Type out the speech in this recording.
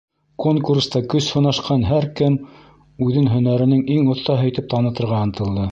Конкурста көс һынашҡан һәр кем үҙен һөнәренең иң оҫтаһы итеп танытырға ынтылды.